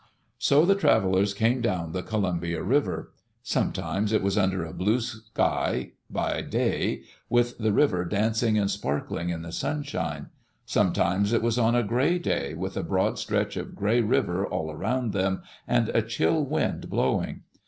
So the travelers came down the Columbia River. Some times it was under a blue sky by day, with the river dancing and sparkling in the sunshine. Sometimes it was on a gray day, with a broad stretch of gray river all around them and a chill wind blowing.